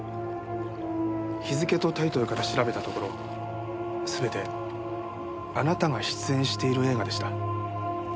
日付とタイトルから調べたところ全てあなたが出演している映画でした。